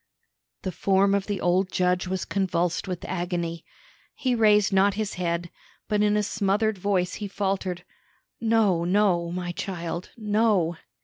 The form of the old judge was convulsed with agony. He raised not his head, but in a smothered voice he faltered: "No, no, my child; no!"